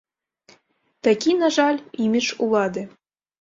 Такі, на жаль, імідж улады.